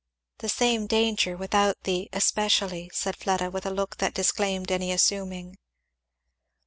"The same danger, without the 'especially'," said Fleda, with a look that disclaimed any assuming.